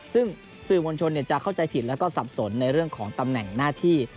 ซึ่งสื่อมวลชนจะเข้าใจผิดแล้วก็สับสนในเรื่องของตำแหน่งหน้าที่